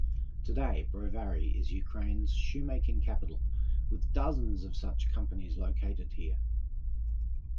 Today, Brovary is Ukraine's shoe-making capital with dozens of such companies located here.